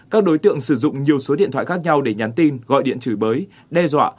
các đối tượng sử dụng nhiều số điện thoại khác nhau để nhắn tin gọi điện chửi bới đe dọa